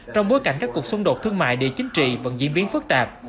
trong bối cảnh các cuộc xung đột thương mại địa chính trị vẫn diễn biến phức tạp